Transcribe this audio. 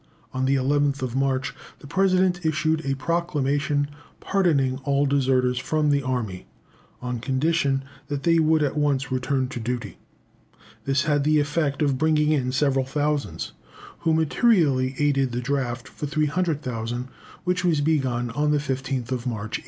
On the 11th March, the President issued a proclamation, pardoning all deserters from the army, on condition that they would at once return to duty. This had the effect of bringing in several thousands, who materially aided the draft for 300,000, which was begun on the 15th March, 1865.